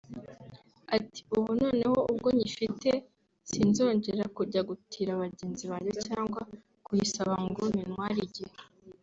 Ati “Ubu noneho ubwo nyifite sinzogera kujya gutira bagenzi banjye cyangwa kuyisaba ngo bintware igihe